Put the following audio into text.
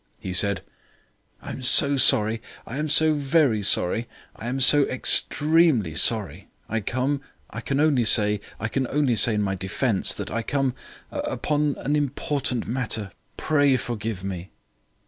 He said: "I am so sorry. I am so very sorry. I am so extremely sorry. I come I can only say I can only say in my defence, that I come upon an important matter. Pray forgive me."